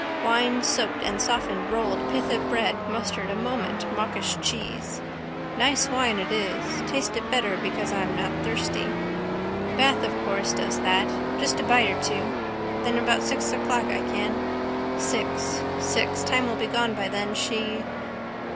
Wine soaked and softened rolled pith of bread mustard a moment mawkish cheese. Nice wine it is. Taste it better because I'm not thirsty. Bath of course does that. Just a bite or two. Then about six o'clock I can. Six. Six. Time will be gone then. She...